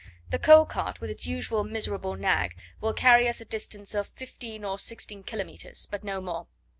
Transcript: "The coal cart, with its usual miserable nag, will carry us a distance of fifteen or sixteen kilometres, but no more.